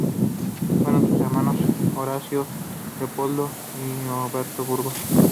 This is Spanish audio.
Fueron sus hermanos: Horacio, Leopoldo y Oberto Burgos.